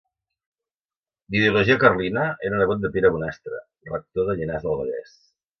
D'ideologia carlina, era nebot de Pere Bonastre, rector de Llinars del Vallès.